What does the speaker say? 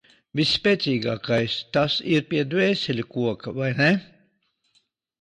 Visspēcīgākais tas ir pie Dvēseļu koka, vai ne?